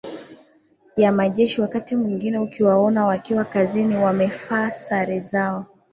ya majeshi wakati mwingine ukiwaona wakiwa kazini wamefaa sare zao